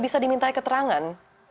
bisa diminta keterangan